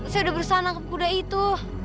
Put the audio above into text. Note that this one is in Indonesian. saya udah berusaha nangkep kuda itu